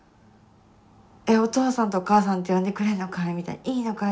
「えっお父さんとお母さんって呼んでくれるのかい」みたいな「いいのかい？